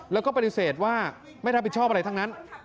แล้วก็ปฏิเสธว่าไม่รับผิดชอบอะไรทั้งนั้น